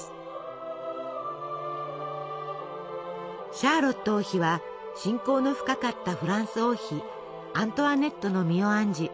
シャーロット王妃は親交の深かったフランス王妃アントワネットの身を案じ